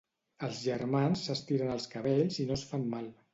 Els germans s'estiren els cabells i no es fan mal.